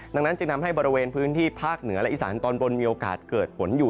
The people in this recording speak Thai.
ดังนั้นจึงทำให้บริเวณพื้นที่ภาคเหนือและอีสานตอนบนมีโอกาสเกิดฝนอยู่